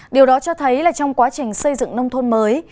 điều đó cho thấy là trong quá trình xây dựng nông thôn mới